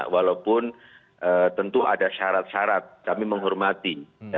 walaupun tentu ada syarat syarat kami menghormati